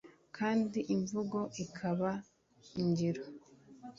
kandi imvugo ikaba ingiro